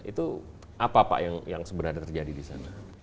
itu apa pak yang sebenarnya terjadi di sana